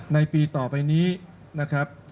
ในปีต่อไปนี้นะครับ